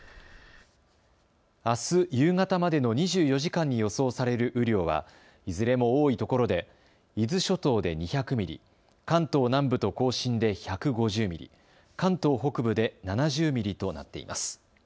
あす夕方までの２４時間に予想される雨量はいずれも多いところで伊豆諸島で２００ミリ、関東南部と甲信で１５０ミリ、関東北部で７０ミリとなっています。